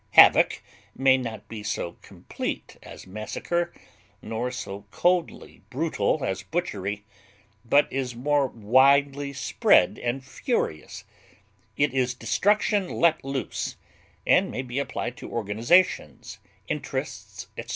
Havoc may not be so complete as massacre, nor so coldly brutal as butchery, but is more widely spread and furious; it is destruction let loose, and may be applied to organizations, interests, etc.